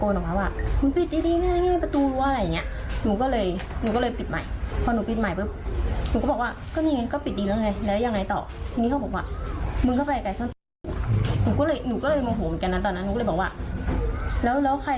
หนูอยากมีปัญหามากเลยไงหนูก็เลยบอกว่า